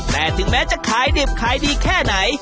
แต่ถึงแม้จะขายดิบขายดีแค่ไหน